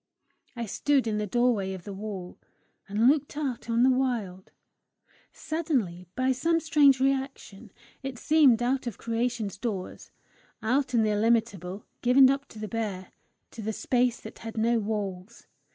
I stood in the doorway of the wall, and looked out on the wild: suddenly, by some strange reaction, it seemed out of creation's doors, out in the illimitable, given up to the bare, to the space that had no walls!